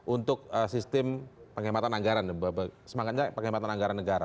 untuk sistem pengematan anggaran semangatnya pengematan anggaran negara